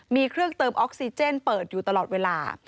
มีเครื่องเติมออกซิเจนเปิดอยู่ตลอดเวลา